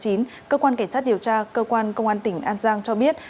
cơ quan cảnh sát điều tra cơ quan công an tỉnh an giang cho biết